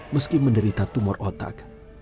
meski menderita tumor otak